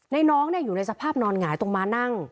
น้องอยู่ในสภาพนอนหงายตรงม้านั่ง